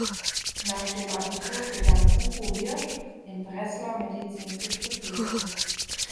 Nach dem Abitur begann Hugo Hirsch, in Breslau Medizin zu studieren.